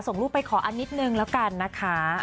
ส่งรูปไปขออันนิดนึงแล้วกันนะคะ